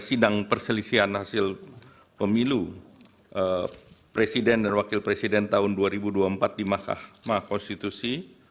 sidang perselisihan hasil pemilu presiden dan wakil presiden tahun dua ribu dua puluh empat di mahkamah konstitusi